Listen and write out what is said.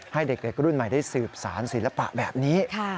ให้เด็กรุ่นใหม่ได้สืบสารศิลปะแบบนี้